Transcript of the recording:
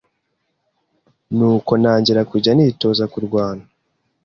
Nuko ntangira kujya nitoza kurwana,